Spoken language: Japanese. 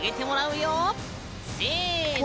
せの！